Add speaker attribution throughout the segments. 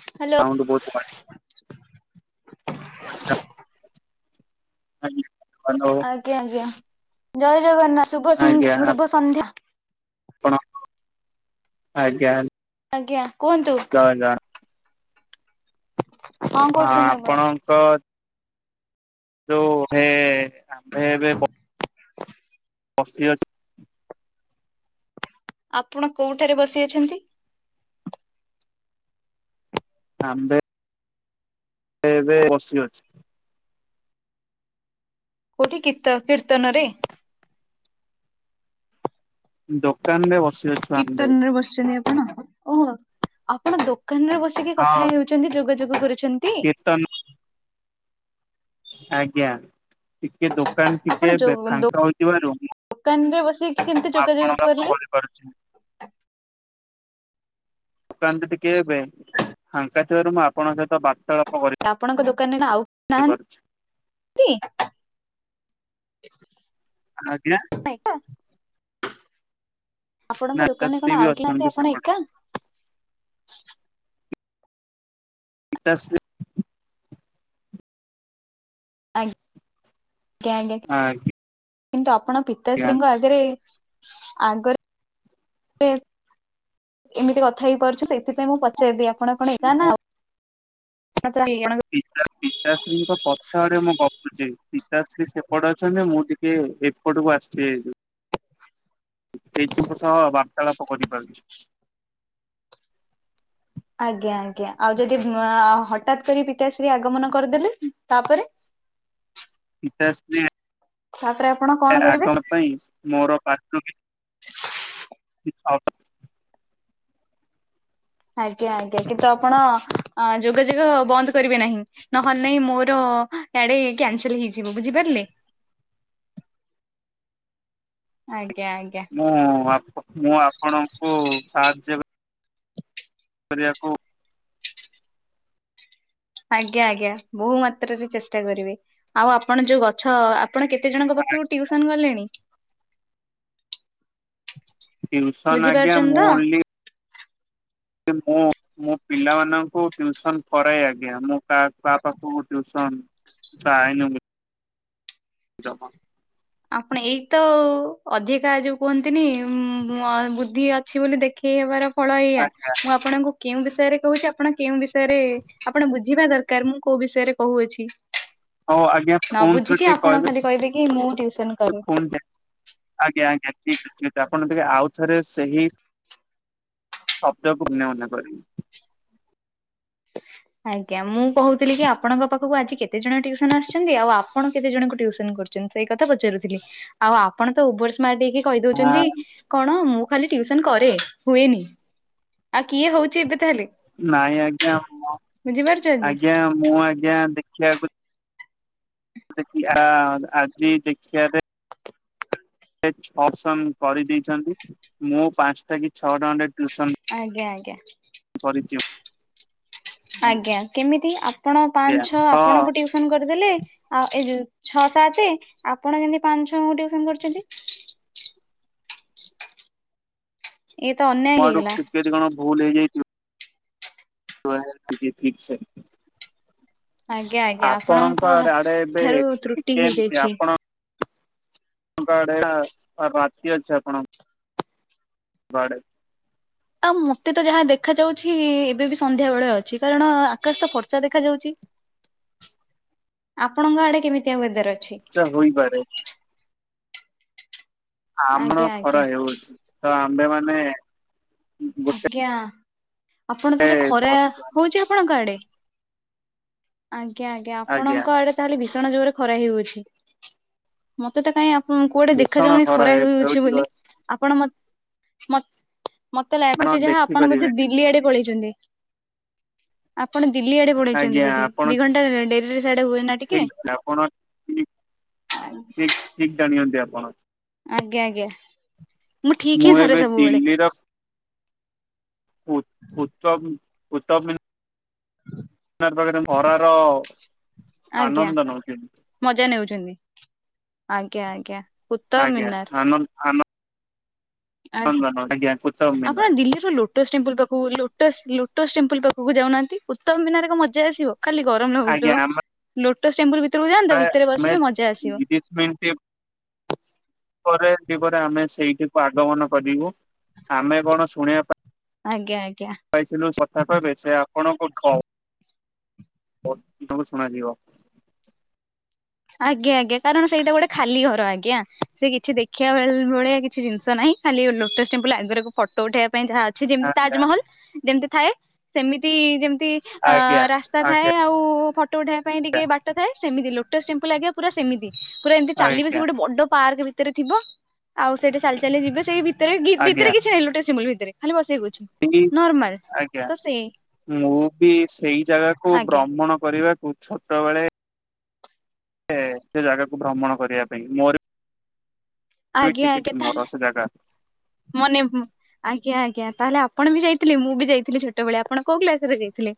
Speaker 1: Hello.
Speaker 2: Sound ବହୁତ [unintelligible] ଆଜ୍ଞା।
Speaker 1: ଆଜ୍ଞା ଆଜ୍ଞା ଜୟ ଜଗନ୍ନାଥ ଶୁଭ ସଂଗୀ ସନ୍ଧ୍ୟା।
Speaker 2: ପଣ ଆଜ୍ଞା।
Speaker 1: ଆଜ୍ଞା କୁହନ୍ତୁ।
Speaker 2: ଜଗନ୍ନାଥ।
Speaker 1: କଣ
Speaker 2: ହଁ
Speaker 1: କରୁଛନ୍ତି ଆପଣ?
Speaker 2: ଆପଣଙ୍କ ଯଉ ଭେ ଭେ ପ ଅସ୍ତି ଅଛି।
Speaker 1: ଆପଣ କୋଉଠାରେ ବସି ଅଛନ୍ତି?
Speaker 2: ଆମ୍ଭେ ଏବେ ବସି ଅଛୁ।
Speaker 1: କୋଉଁଠି କିର୍ତ କୀର୍ତ୍ତନରେ?
Speaker 2: ଦୋକାନରେ ବସି ଅଛୁ ଆମ୍ଭେ।
Speaker 1: କଣ ଓହୋ ଆପଣ ଦୋକାନରେ ବସିକି କଥା ହେଉଛନ୍ତି ଯୋଗାଯୋଗ କରି
Speaker 2: କୀର୍ତନ ଆଜ୍ଞା ଟିକେ ଦୋକାନ
Speaker 1: ଆପଣ
Speaker 2: ଟିକେ
Speaker 1: ଯୋ
Speaker 2: ଏବେ ଫାଙ୍କା ହୋଇଥିବାରୁ
Speaker 1: ଦୋକାନରେ ବସିକି କେମିତି ଯୋଗାଯୋଗ
Speaker 2: ଆପଣ ପାଖକୁ
Speaker 1: କଲେ?
Speaker 2: କରିପାରୁଛି। ଦୋକାନ ତ ଟିକଏ ଏବେ ଫାଙ୍କା ଥିବାରୁ ମୁଁ ଆପଣଙ୍କ ବାର୍ତ୍ତାଳାପ କରି
Speaker 1: ତ ଆପଣଙ୍କ ଦୋକାନରେ ନା ଆଉ
Speaker 2: ପାରୁଛି।
Speaker 1: ନାହାନ [unintelligible]
Speaker 2: ଆଜ୍ଞା। ନା
Speaker 1: ଆପଣଙ୍କ ଦୋକାନରେ
Speaker 2: ଗୀତାଶ୍ରୀ
Speaker 1: କଣ
Speaker 2: ବି
Speaker 1: ଆଉ କେହି ନାହାନ୍ତି
Speaker 2: ଅଛନ୍ତି
Speaker 1: ଆପଣ
Speaker 2: ସେପଟେ
Speaker 1: ଏକା?
Speaker 2: ପିତାଶ୍ରୀ।
Speaker 1: କ୍ୟାଣ୍ଡେଡ
Speaker 2: ଆଜ୍ଞା।
Speaker 1: କିନ୍ତୁ ଆପଣ ପିତାଶ୍ରୀଙ୍କ ଆଗରେ ଆଗରେ ଏ ଏମିତି କଥା ହେଇ ପାରୁଛୁ ସେଇଥିପାଇଁ ମୁଁ ପଚାରିଲି ଆପଣ କଣ ଏକା
Speaker 2: ମୁଁ
Speaker 1: ନା ଆଉ କିଏ?
Speaker 2: ପିତା ପିତାଶ୍ରୀଙ୍କ କ ପଛ ଆଡ଼େ ମୁଁ ଗପୁଛି ପିତାଶ୍ରୀ ସେପଟେ ଅଛନ୍ତି ମୁଁ ଟିକେ ଏପଟକୁ ଆସିଛି ହେରି। [unintelligible] ସହ ବାର୍ତ୍ତାଳାପ କରିପାରୁଛି।
Speaker 1: ଆଜ୍ଞା ଆଜ୍ଞା ଆଉ ଯଦି ଆଃ ହଠାତ୍ କରି ପିତାଶ୍ରୀ ଆଗମନ କରିଦେଲେ ତାପରେ?
Speaker 2: ପିତାଶ୍ରୀ
Speaker 1: ତାପରେ ଆପଣ କଣ କରିବେ
Speaker 2: ଆଗମନ ପାଇଁ ମୋର [unintelligible] କି [unintelligible]
Speaker 1: ଆଜ୍ଞା ଆଜ୍ଞା କିନ୍ତୁ ଆପଣ ଯୋଗାଯୋଗ ବନ୍ଦ କରିବେ ନାହିଁ ନହେଲେ ନାହିଁ ମୋର ହ ଆଡେ କ୍ୟାନସଲ ହେଇଯିବ ବୁଝିପାରିଲେ? ଆଜ୍ଞ
Speaker 2: ମୁଁ ଆପ ମୁଁ ଆପଣଙ୍କୁ ସାହାଯ୍ୟ କରିବାକୁ
Speaker 1: ଆଜ୍ଞା ଆଜ୍ଞା ବହୁ ମାତ୍ରାରେ ଚେଷ୍ଟା କରିବେ ଆଉ ଆପଣ ଯୋଉ ଗଛ ଆ ଆପଣ କେତେ ଜଣଙ୍କ ପାଖରୁ ଟ୍ୟୁସନ ଗଲେଣି?
Speaker 2: ଟିଉସନ୍ ଆଜ୍ଞା
Speaker 1: ବୁଝିପାରୁଛନ୍ତି
Speaker 2: ମୁଁ
Speaker 1: ତ
Speaker 2: ଓନ୍‌ଲି ମୁଁ ମୁଁ ପିଲାମାନଙ୍କୁ ଟିଉସନ ପଢ଼ାଏ ଆଜ୍ଞା ମୁଁ କାହା ପାଖକୁ ଟିଉସନ୍ ହଁ ଯାଏନି [unintelligible]
Speaker 1: ଆପଣ ଏଇ ତ ଆଉ ଯୋଉ କୁହନ୍ତିନି ବୁଦ୍ଧି ଅଛି ବୋଲି ଦେଖେଇ ହବାର ଫଳ ଏଇଆ
Speaker 2: ଆଜ୍ଞା
Speaker 1: ମୁଁ ଆପଣଙ୍କୁ କେଉଁ ବିଷ ବିଷୟରେ କହୁଛି ଆପଣ କେଉଁ ବିଷୟରେ ଆପଣ ବୁଝିବା ଦରକାର ମୁଁ କୋଉ ବିଷୟରେ କହୁଅଛି?
Speaker 2: ହଉ ଆଜ୍ଞା
Speaker 1: ନ ବୁଝିକି ଆପଣ ଖାଲି କହିବେ କି ମୁଁ ଟିଉସନ୍
Speaker 2: ପୁଣି ଆଜ୍ଞା ଆଜ୍ଞା। ଠିକ୍ ଅଛି ଆପଣ ଟିକେ ଆଉ ଥରେ ସେହି ଶବ୍ଦକୁ ଉନ୍ନୟନ କରିବି।
Speaker 1: ଆଜ୍ଞା ମୁଁ କହୁଥିଲି କି ଆପଣଙ୍କ ପାଖକୁ ଆଜି କେତେ ଜଣ ଟ୍ୟୁସନ ଆସିଛନ୍ତି ଆଉ ଆପଣ କେତେ ଜଣଙ୍କୁ ଟ୍ୟୁସନ୍ ଟ୍ୟୁସନ୍ କରୁଛନ୍ତି ସେଇ କଥା ପଚାରୁଥିଲି ଆଉ ଆପଣ ତ ଅଭର୍ ସ୍ମାର୍ଟ ହେଇକି
Speaker 2: ହଁ
Speaker 1: କହିଦଉଛନ୍ତି କଣ ମୁଁ ଖାଲି ଟିଉସନ କରେ ହୁଏନି। ଆଉ କିଏ ହଉଛି ଏବେ ତାହେଲେ?
Speaker 2: ନାଇଁ ଆଜ୍ଞା
Speaker 1: ବୁଝିପାରୁଛନ୍ତି
Speaker 2: ଆଜ୍ଞା ମୁଁ ଆଜ୍ଞା ଦେଖିବାକୁ ଦେଖିବାକୁ ଦେଖି ଆଜି ଦେଖିବାରେ ସେ ଛଅ ଟିଉସନ୍ କରିଦେଇଛନ୍ତି ମୁଁ ପାଞ୍ଚଟା କି ଛଅଟା ଖଣ୍ଡେ
Speaker 1: ଆଜ୍ଞା ଆଜ୍ଞା।
Speaker 2: କରିଛି
Speaker 1: ଆଜ୍ଞା କେମିତି ଆପଣ
Speaker 2: ଆଜ୍ଞା
Speaker 1: ପାଞ୍ଚ ଛଅ
Speaker 2: ହଁ।
Speaker 1: ଆପଣଙ୍କୁ ଟିଉସନ କରିଦେଲେ ଆଉ ଏ ଛଅ ସାତ ଆପଣ ଯେମିତି ପାଞ୍ଚ ଛଅଙ୍କୁ ଟିଉସନ କରୁଛନ୍ତି। ଇଏ ତ ଅନ୍ୟାୟ
Speaker 2: ମୋ ଆଡୁ
Speaker 1: ହେଇଗଲା।
Speaker 2: ଟିକେ ଟ କଣ ଭୁଲ ହେଇଯାଇଥିବ ହଁ ଆଜ୍ଞା ଠିକ୍ ସେ
Speaker 1: ଆଜ୍ଞା ଆଜ୍ଞା ଆପଣଙ୍କ
Speaker 2: ଆଡେ ଆଡେ ଏବେ
Speaker 1: ଠାରୁ ତ୍ରୁଟି
Speaker 2: ଟିକେ
Speaker 1: ହେଇଯାଇଛି।
Speaker 2: ଆଡ଼େ ରାତି ଅଛି ଆପଣ ଭଡ
Speaker 1: ଆଉ ମତେ ତ ଯାହା ଦେଖ ଯାଉଛି ଏବେ ବି ସନ୍ଧ୍ୟା ବେଳେ ଅଛି କାରଣ ଆକାଶ ତ ଫର୍ଚା ଦେଖାଯାଉଛି। ଆପଣଙ୍କ ଆଡ଼େ କେମିତିଆ ବଧାର ଅଛି?
Speaker 2: ଚା ହୋଇବାରେ। ଆମର
Speaker 1: ଆଜ୍ଞା ଆଜ୍ଞା
Speaker 2: ଖରା ହେଉଛି ତ ଆମ୍ଭେ ମାନେ
Speaker 1: ଆଜ୍ଞା ଆପଣ ତାହେଲେ ଖରା
Speaker 2: ବସ
Speaker 1: ହଉଛି ଆପଣଙ୍କ ଆଡ଼େ? ଆଜ୍ଞା ଆଜ୍ଞା ଆପଣଙ୍କ ଆଡ଼େ ତାହେଲେ ଭୀ ଭୀଷଣ ଜୋରେ ଖରା ହେଇଯାଉଛି ମତେ ତ କାଇହିଁ ଆପଣ କୁଆଡ଼େ
Speaker 2: ଭୀଷଣ
Speaker 1: ଦେଖାଯାଉନି ଖରା
Speaker 2: ହେ
Speaker 1: ହେଇଯାଉଛି
Speaker 2: ହେଉଛି
Speaker 1: ବୋଲି ଆପଣ ମତେ ମତେ
Speaker 2: ଆପଣ
Speaker 1: ଲାଗୁଛି ଯାହା ଆପଣ ମଧ୍ୟ
Speaker 2: ଦେଖିପାରିବେନି।
Speaker 1: ଦିଲ୍ଲୀ ଆଡ଼େ ପଳେଇଛନ୍ତି ଆପଣ ଦିଲ୍ଲୀ ଆଡ଼େ ପଳେଇଛନ୍ତି ବୋଧେ ଦି ଘଣ୍ଟା ରେ ଡେରିରେ ସିଆଡେ ହୁଏ ନା ଟିକେ।
Speaker 2: ଠିକ୍ ଆପଣ ଠିକ୍ ଠିକ୍ ଜାଣିଛନ୍ତି ଆପଣ।
Speaker 1: ଆଜ୍ଞା ଆଜ୍ଞା ମୁଁ ଠିକ୍ ହିଁ ଧରେ
Speaker 2: ଏବେ
Speaker 1: ସବୁବେଳେ।
Speaker 2: ଦିଲ୍ଲୀର ଉ ଉତ୍ତମ ଉତ୍ତମ ମ ପାଖରେ ଖରାର
Speaker 1: ଆଜ୍ଞା
Speaker 2: ଆନନ୍ଦ ନଉଛି।
Speaker 1: ମଜା ନେଉଛନ୍ତି। ଆଜ୍ଞା ଆଜ୍ଞା। କୁତବ
Speaker 2: ଆଜ୍ଞା
Speaker 1: ମିନାର
Speaker 2: ଆନ ଆନ
Speaker 1: ଆଜ୍ଞା
Speaker 2: କୁତବ
Speaker 1: ଆପଣ
Speaker 2: ମିନାର
Speaker 1: ଦିଲ୍ଲୀରୁ ଲୋଟସ୍ ଲୋଟସ୍ ଟେମ୍ପଲ ପାଖକୁ ଲୋଟସ୍ ଲୋଟସ୍ ଟେମ୍ପଲ ପାଖକୁ ଯାଉନାହାନ୍ତି ଉତ୍ତମ ମିନାର କଣ ମଜା ଆସିବ। ଖାଲି ଗରମ ଲାଗୁଥିବ ଲୋଟସ୍ ଟେମ୍ପଲ ଭି
Speaker 2: ଆମେଶ ମିନିଟ ପରେ। ଆଉ ଟିକେ ପରେ ଆମେ ସେଇଠିକୁ ଆଗମନ କରିବୁ ଆମେ କଣ ଶୁଣିବା
Speaker 1: ଆଜ୍ଞା ଆଜ୍ଞା।
Speaker 2: ତାପରେ ବ ସେ ଆପଣ କ କ ତକୁ ଶୁଣାଯିବ।
Speaker 1: ଆଜ୍ଞା ଆଜ୍ଞା କାରଣ ସେଇଟା ଗୋଟେ ଖାଲି ଘର ଆଜ୍ଞା ସେ କିଛି ଦେଖିବା ଭଳିଆ କିଛି ଜିନିଷ ନାହିଁ। ଖାଲି ଲୋଟସ୍ ଟେମ୍ପଲ ଆଗରେକୁ ଫଟୋ ଉଠେଇବା ଯାହା ଅଛି ଯେମିତି
Speaker 2: ଆଜ୍ଞା
Speaker 1: ତାଜମହଲ ଯେମତି ଥାଏ ସେମିତି ଯେ ଅ
Speaker 2: ଆଜ୍ଞା
Speaker 1: ରାସ୍ତା ଥାଏ
Speaker 2: ଆଜ୍ଞା
Speaker 1: ଆଉ ଫଟୋ ଉଠେଇବା ପାଇଁ ଟିକେ ବାଟ ଥାଏ ସେମିତି ଲୋଟସ୍ ଟେମ୍ପୁଲ ଲା ପୁରା ସେମିତି ପୁରା ଏମିତି ଚାଲିବେ ସେ
Speaker 2: ଆଜ୍ଞା
Speaker 1: ଗୋଟେ ବଡ ପାର୍କ ଭିତରେ ଥିବ ଆଉ ସେଇଟା ଚାଲି ଚାଲି ଯିବେ ସେଇ ଭିତରେ ଭିତରେ
Speaker 2: ଆଜ୍ଞା
Speaker 1: କିଛିହିଁ ଲୋଟସ ଟେମ୍ପୁଲ ଭିତରେ ଖାଲି ବସିବାକୁ
Speaker 2: ଏଇ
Speaker 1: ନର୍ମଲ
Speaker 2: ଆଜ୍ଞା
Speaker 1: ତ ସେ
Speaker 2: ମୁଁ ବି ସେଇ ଜାଗାକୁ
Speaker 1: ଆଜ୍ଞା
Speaker 2: ଭ୍ରମଣ କରିବାକୁ ଛୋଟବେଳେ ସେ ଜାଗାକୁ ଭ୍ରମଣ କରିବା ପାଇଁ ମୋର ବି
Speaker 1: ଆଜ୍ଞା
Speaker 2: ଟିକେଟ
Speaker 1: ଆଜ୍ଞା
Speaker 2: ମୋର
Speaker 1: ତାହେଲେ
Speaker 2: ସେ ଜାଗା
Speaker 1: ମାନେ ଆ ଆଜ୍ଞା ଆଜ୍ଞା ତାହେଲେ ଆପଣ ବି ଯାଇଥିଲେ ମୁଁ ବି ଯାଇଥିଲି ଛୋଟବେଳେ ଆପଣ କୋଉ କ୍ଲାସ ରେ ଯାଇଥିଲେ?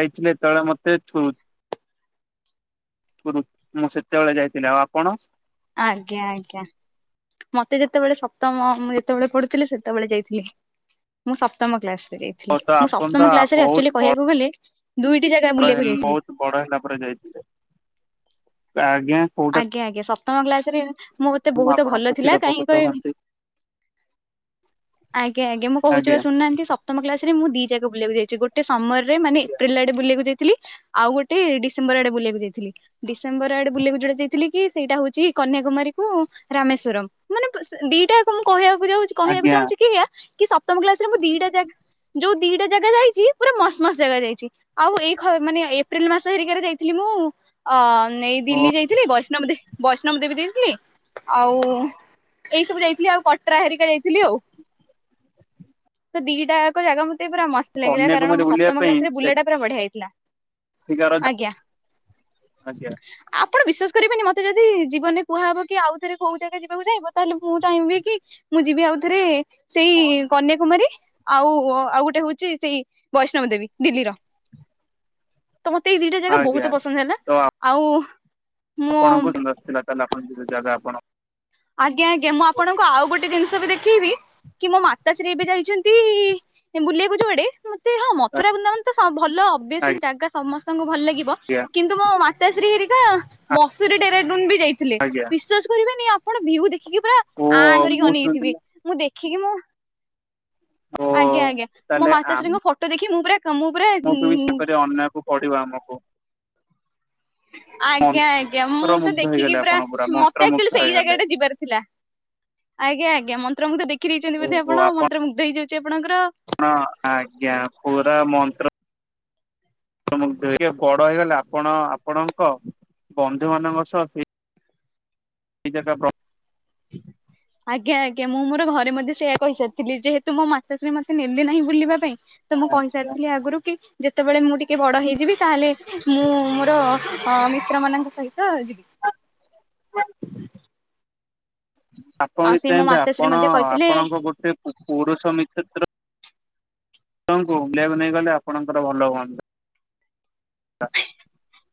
Speaker 2: ଯାଇଥିଲେ ଯେତେ ବେଳେ ମତେ ଛୋ ମୁଁ ସେତେବେଳେ ଯାଇଥିଲି ଆଉ ଆପଣ?
Speaker 1: ଆଜ୍ଞା ଆଜ୍ଞା ମତେ ଯେତେବେଳେ ସପ୍ତମ ମୁଁ ଯେତେବେଳେ ପଢୁଥିଲି ସେତେବେଳେ ଯାଇଥିଲି ମୁଁ ସପ୍ତମ କ୍ଲାସରେ ଥିଲ
Speaker 2: ହଉ ତ
Speaker 1: ମୁଁ
Speaker 2: ଆପଣ ତ
Speaker 1: ସପ୍ତମରେ
Speaker 2: ବହୁତ
Speaker 1: ଆକଚୁଲି
Speaker 2: ବଡ
Speaker 1: କହିବାକୁ ଗଲେ ଦୁଇଟି ଜାଗା ବୁଲିବାକୁ
Speaker 2: ହେଲେ
Speaker 1: ଯାଇଥିଲି
Speaker 2: ବହୁତ ବଡ ହେଲା ପରେ ଯାଇଥିଲେ ଆଜ୍ଞା କୋଉଟା
Speaker 1: ଆଜ୍ଞା ଆଜ୍ଞା ସପ୍ତମ କ୍ଲାସ ରେ ମୁଁ ମତେ ବହୁତ ଭଲ
Speaker 2: ଆପଣଙ୍କୁ
Speaker 1: ଥିଲା କାହିଁ
Speaker 2: ଚିରପକୃତ
Speaker 1: କହିବି
Speaker 2: ହୁଅନ୍ତି
Speaker 1: ଆଜ୍ଞା ଆଜ୍ଞା ମୁଁ କହୁଛି ପା ଶୁଣୁନାହାନ୍ତି ସପ୍ତମ କ୍ଲାସ ମୁଁ ଦି ଜାଗା ବୁଲିବାକୁ ଯାଇଛି ଗୋଟେ ସମରରେ ମାନେ ଏପ୍ରିଲ ଆଡେ ବୁଲିବାକୁ ଯାଇଥିଲ ଆଉ ଗୋଟେ ଡିସେମ୍ବର ଆଡେ ବୁଲିବାକୁ ଯାଇଥିଲ ଡିସେମ୍ବର ଆଡେ ବୁଲିବାକୁ ଯୋଉଟା ଯାଇଥିଲି କି ସେଇଟା ହଉଛି କନ୍ୟାକୁମାରୀ କୁ ରାମେଶ୍ଵରମ ମାନେ ଦିଟାକୁ ମୁଁ କହିବାକୁ କହିବାକୁ
Speaker 2: ଆଜ୍ଞା
Speaker 1: ଚାହୁଛି କି ସପ୍ତମ କ୍ଲାସ ରେ ମୁଁ ଦିଟା ଜାଗା ଯୋଉ ଦିଟା ଜାଗା ଯାଇଛି ପୁରା ମସ୍ତ ମସ୍ତ ଜାଗା ଯାଇଛି ଆଉ ଏଇ ମାନେ ଏପ୍ରିଲ ମାସ ହେରିକ ରେ ଯାଇଥିଲି ମୁଁ ଅ ନେଇ
Speaker 2: ଓ
Speaker 1: ଦିଲ୍ଲୀ ଯାଇଥିଲି ବୈଷ୍ଣବ ଦେବୀ ବୈଷ୍ଣବ ଦେବୀ ଯାଇଥିଲି ଆଉ ଏଇ ସବୁ ଯାଇଥିଲି ଆଉ କଟରା ହରିକା ଯାଇଥିଲି ଆଉ ତ ଦିଟାକ ଜାଗା ମୁଁ ତ ପୁରା ମତେ ମସ୍ତ ଲାଗିଲା କାରଣ
Speaker 2: କନ୍ୟାକୁମାରୀ ବୁଲିବା
Speaker 1: ସପ୍ତମ
Speaker 2: ପାଇଁ
Speaker 1: କ୍ଲାସରେ
Speaker 2: ସେ
Speaker 1: ବୁଲିବାଟା ପୁରା ବଢିଆ ହେଇଥିଲା।
Speaker 2: ଆଫ୍ରିକାର
Speaker 1: ଆଜ୍ଞା
Speaker 2: ଆଜ୍ଞା
Speaker 1: ଆପଣ ବିଶ୍ୱାସ କରିବିନି ମତେ ଯଦି ଜୀବନରେ କୁହାହବ କି ଆଉ ଥରେ କୋଉ ଜାଗା ଯିବାକୁ ଯାଇଁବ ତାହେଲେ ମୁଁ ଚାହିଁବି କି ଯିବି ଆଉଥରେ ସେଇ କନ୍ୟାକୁମାରୀ ଆଉ ଆଉ ଗୋଟେ ହଉଛି ସେଇ ବୈଷ୍ଣବ ଦେବୀ। ଦିଲ୍ଲୀର,
Speaker 2: [inaudible]
Speaker 1: ତ ମତେ ଏଇ ଦିଇଟା ଜାଗା
Speaker 2: ଆଜ୍ଞା
Speaker 1: ବହୁତ ପସନ୍ଦ ହେଲା
Speaker 2: ତ
Speaker 1: ଆଉ ମୁଁ
Speaker 2: ଆପଣଙ୍କୁ ଯଦି ନସିଥିଲା ତାହେଲେ ଆପଣ ଯ ଜାଗା ଆପଣ
Speaker 1: ଆଜ୍ଞା ଆଜ୍ଞା ମୁଁ ଆପଣଙ୍କୁ ଆଉ ଗୋଟେ ଜିନିଷ ବି ଦେଖେଇବି କି ମୋ ମାତା ଶ୍ରୀ ଏବେ ଯାଇଛନ୍ତି ବୁଲିବାକୁ ଯୁଆଡେ ହଁ ମଥୁରା ବୃନ୍ଦାବନ ତ ଭଲ ଓବିଅସଲି ଜାଗା ସମସ୍ତଙ୍କୁ ଭଲ ଲାଗ
Speaker 2: ଆଜ୍ଞା
Speaker 1: କିନ୍ତୁ ମୋ ମାତାଶ୍ରୀ ହେରିକା ମସୁରୀ ଟେରାଡୁନ ବି ଯାଇଥିଲେ
Speaker 2: ଆଜ୍ଞା
Speaker 1: ବିଶ୍ଵାସ କରିବେନି ଆପଣ ଭିଉ ଦେଖିକି ପୁରା
Speaker 2: ଓ
Speaker 1: ଆଁ କରିକି
Speaker 2: ମୁଁ
Speaker 1: ଅନେଇଥିବେ
Speaker 2: ଶୁଣିଥିଲି
Speaker 1: ମୁଁ ଦେଖିକି ଦେଖି ମୁଁ
Speaker 2: ଓ
Speaker 1: ଆଜ୍ଞା ଆଜ୍ଞା ମୋ ମାତାଶ୍ରୀଙ୍କ ଫଟୋ ଦେଖି ମୁଁ ପୁରା ପୁରା
Speaker 2: ମୁଁ
Speaker 1: ଉଁ
Speaker 2: କେ ବି ସେପରି ଅନ୍ୟକୁ ପଡିବା ଆମକୁ
Speaker 1: ଆଜ୍ଞା ଆଜ୍ଞା ମୁଁ ତ
Speaker 2: ମନ୍ତ୍ରମୁଗ୍ଧ
Speaker 1: ଦେଖିକି
Speaker 2: ହେଇଗଲେ
Speaker 1: ପୁରା
Speaker 2: ଆପଣ
Speaker 1: ମତେ ଆଚୁଲି ସେଇ ଜାଗା ଟା ଯିବାର ଥିଲା।
Speaker 2: ହ [inaudible]
Speaker 1: ଆଜ୍ଞା ଆଜ୍ଞା ମନ୍ତ୍ରୁମୁଧ ଦେଖିଦ ଦେଇଛନ୍ତି ଆପଣ ମନ୍ତ୍ର ମୁୁ୍ଧ ହେଇଯାଉଛି ଆପଣଙ୍କର
Speaker 2: ହଁ ଆଜ୍ଞା ପୁରା ମନ୍ତ୍ର ଟେ ବଡ ହେଇଗଲେ ଆପଣ ଆପଣଙ୍କ ବନ୍ଧୁ ମାନଙ୍କ ସହ ସେ ଏଟା ପ୍ର୍ [inaudible]
Speaker 1: ହ [inaudible] ଆଜ୍ଞା ଆଜ୍ଞା ମୁଁ ମୋର ଘରେ ମଧ୍ୟ ସେଇଆ କହିସାରିଥିଲି ଯେହେତୁ ମୋ ମାତାଶ୍ରୀ ମତେ ନେଲେ ନାହିଁ ବୁଲିବା ପାଇଁ ତ ମୁଁ କହିସାରିଥିଲି ଆଗରୁ କି ଯେତେବେଳେ ମୁଁ ଟିକେ ବଡ ହେଇଯିବି ତାହେଲେ ମୁଁ ମୋର ମିତ୍ର ମାନଙ୍କ ସହିତ ଯିବି।
Speaker 2: ହଁ ଆପଣ
Speaker 1: ଆଉ ସେ ମୋ
Speaker 2: ଚାହିଁବେ
Speaker 1: ମାତାଶ୍ରୀ
Speaker 2: ଆପଣ
Speaker 1: ମଧ୍ୟ କହିଥିଲେ
Speaker 2: ଆପଣଙ୍କ ଗୋଟେ ପୁ ପୁରୁଷ ମିତ୍ର ସହ ଆପଣଙ୍କୁ ବୁଲେଇବାକୁ ନେଇ ଗଲେ ଆପଣଙ୍କର ଭଲ ହୁଅନ୍ତା।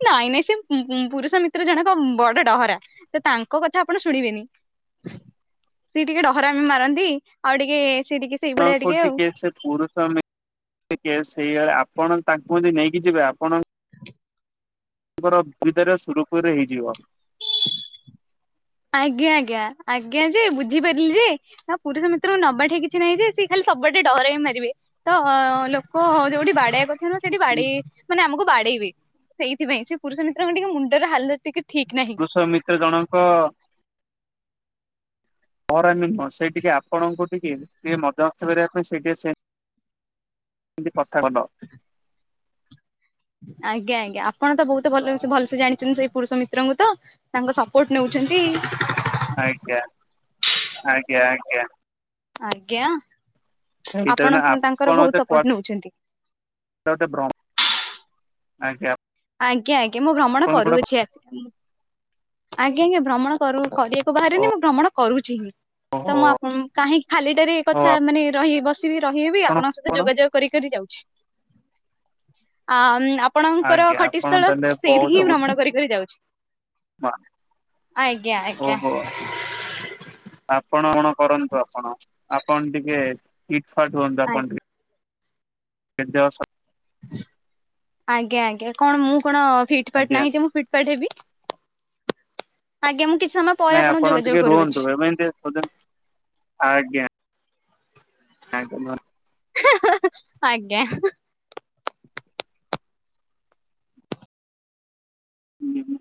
Speaker 1: ନାଇଁ ନାଇଁ ସେ ପୁ ପୁ ପୁରୁଷ ମିତ୍ର ଜଣକ ବଡ ଡହରା ତ ତାଙ୍କ କଥା ଆପଣ ଶୁଣିବେନି।
Speaker 2: [inaudible]
Speaker 1: ସିଏ ଟିକେ ଡହରାମି ମାରନ୍ତି ଆଉ ଟିକେ ସେ ଟିକେ ସେଇଭଳିଆ
Speaker 2: କଣକୁ
Speaker 1: ଆଉ।
Speaker 2: ଟିକେ ସେ ପୁରୁଷ ମିତ୍ର କେସ ହେଇଗଲେ ଆପଣ ତାଙ୍କୁ ଯଦି ନେଇକି ଯିବେ ଆପଣ ତମର ସୁବିଧାରେ ସୁରୁଖୁରୁରେ ହେଇଯିବ।
Speaker 1: ଆଜ୍ଞା ଆଜ୍ଞା ଆଜ୍ଞା ଯେ ବୁଝିପାରିଲି ଯେ ନା ପୁରୁଷ ମିତ୍ରଙ୍କୁ ନବା ଠେ କିଛି ନାହିଁ ଯେ ସେ ଖାଲି ସବୁଆଡେ ଡହରାମି ମାରିବେ ତ ଲୋକ ଯୋଉଠି ବାଡେଇଆ କଥା ନୁହଁ ସେଠି ବାଡେଇ ମାନେ ଆମକୁ ବାଡେଇବେ। ସେଇଥିପାଇଁ ସେ ପୁରୁଷ ମିତ୍ରଙ୍କ ଟିକେ ମୁଣ୍ଡର ହାଲତ୍ ଟିକେ ଠିକ ନାହିଁ
Speaker 2: ପୁରୁଷ ମିତ୍ର ଜଣଙ୍କ ଡହରାମି ନୁହଁ। ସେ ଟିକେ ଆପଣଙ୍କୁ ଟିକେ ଟିକେ ମଜା ମସ୍ତି କରିବା ପାଇଁ ସେଇ ଟିକେ ସେ ପ୍ରସ୍ଥାଗତ
Speaker 1: ଆଜ୍ଞା ଆଜ୍ଞା ଆପଣ ତ ବହୁତ ଭଲ ଭଲସେ ଜାଣିଛନ୍ତି ସେଇ ପୁରୁଷ ମିତ୍ରଙ୍କୁ ତ ତାଙ୍କ ସପୋର୍ଟ ନେଉଛ ଛନ୍ତି।
Speaker 2: ଆଜ୍ଞା ଆଜ୍ଞା ଆଜ୍ଞା।
Speaker 1: ଆଜ୍ଞା।
Speaker 2: ସିତ
Speaker 1: ଆପଣ
Speaker 2: ଦିନେ
Speaker 1: ତାଙ୍କର
Speaker 2: ଆପଣ
Speaker 1: ବହୁତ ସପୋର୍ଟ ନେଉଛନ୍ତି।
Speaker 2: ସେ [unintelligible] ଆଜ୍ଞା।
Speaker 1: ଆଜ୍ଞା ଆଜ୍ଞା ମୁଁ ଭ୍ରମଣ
Speaker 2: ଆପଣ ଗୋଟେ
Speaker 1: କରୁଅଛି। ଆ ଆଜ୍ଞା ଆଞା ଭ୍ରମଣ କରୁ କରିଆ ବାହାରେନି ମୁଁ ଭ୍ରମଣ କରୁଛି ହିଁ ତ
Speaker 2: ଓହୋ
Speaker 1: ମୁଁ ଆପ କାହିଁକି ଖାଲିଟାରେ
Speaker 2: ହଉ
Speaker 1: କଥା ମାନେ ରହି ବ ତିବି ରହିଲେ ବି
Speaker 2: ଆପଣ
Speaker 1: ଆପଣଙ୍କ ସହିତ
Speaker 2: କଣ
Speaker 1: ଯୋଗାଯୋଗ କରି କରି ଯାଉଛି। ଆମ୍ ଆପଣ ନଙ୍କର
Speaker 2: ଆଜ୍ଞା ଆପଣ
Speaker 1: ଖଟିସ୍ଥଳ
Speaker 2: ତାହେଲେ
Speaker 1: ସେଇଠିକି
Speaker 2: ବହୁତ
Speaker 1: ହିଁ ଭ୍ରମଣ
Speaker 2: ବୁଦ୍ଧିମାନ
Speaker 1: କରିକରି ଯାଉଛି। ଆଜ୍ଞା ଆଜ୍ଞା।
Speaker 2: ଓହୋ। ଆପଣ କଣ କରନ୍ତୁ ଆପଣ ଆପଣ ଟିକେ ଇଟ ଫାଟ ହୁଅନ୍ତୁ
Speaker 1: ଆ
Speaker 2: ଆପଣ ଟିକେ କେମ୍ଟି ଅଛ?
Speaker 1: ଆଜ୍ଞା ଆଜ୍ଞା କଣ ମୁଁ କଣ ଫିଟପାଟ୍
Speaker 2: ଆଜ୍ଞା
Speaker 1: ନାହିଁ ଯେ ମୁଁ ଫିଟପାର୍ଟ ହେବି? ଆଜ୍ଞା ମୁଁ କିଛି ସମୟ ପରେ
Speaker 2: ନାଇଁ
Speaker 1: ଆପଣଙ୍କୁ
Speaker 2: ଆପଣ
Speaker 1: ଯୋଗାଯୋଗ
Speaker 2: ଟିକେ
Speaker 1: କରୁଅଛି।
Speaker 2: ରୁହନ୍ତୁ ଏମତି ଖୋଜନି ଆଜ୍ଞା। [unintelligible]
Speaker 1: ହେ ହେ ଆଜ୍ଞା।
Speaker 2: ହୁଁ ହୁଁ।